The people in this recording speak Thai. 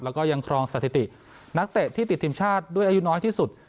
แล้วก็ยังครองสถิตินักเตะที่ติดทีมชาติด้วยอายุน้อยที่สุด